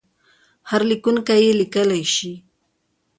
هر لیکونکی یې لیکلای شي.